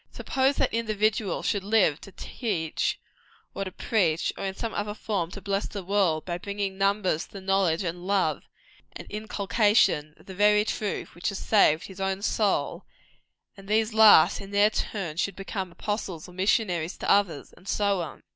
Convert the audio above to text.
Suppose that individual should live to teach or to preach, or in some other form to bless the world, by bringing numbers to the knowledge, and love, and inculcation of the very truth which has saved his own soul and these last, in their turn, should become apostles or missionaries to others, and so on.